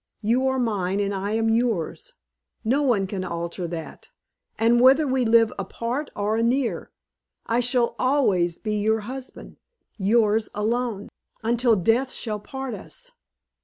You are mine and I am yours; no one can alter that. And whether we live apart or anear, I shall always be your husband yours alone until death shall part us.